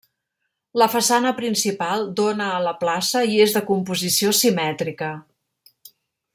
La façana principal dóna a la plaça i és de composició simètrica.